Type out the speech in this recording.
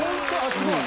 すごい！